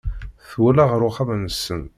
Twella ɣer uxxam-nsen.